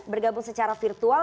bergabung secara firman